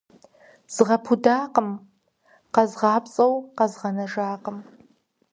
Згъэпудакъым, къэзгъапцӏэу къэзгъэнэжакъым.